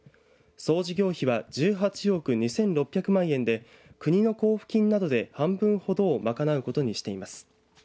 総事業費は１８億２６００万円で国の交付金などで半分ほどをまかなうことにしています。